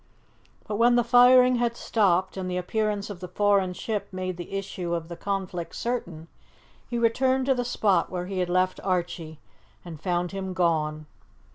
But when the firing had stopped, and the appearance of the foreign ship made the issue of the conflict certain, he returned to the spot where he had left Archie, and found him gone.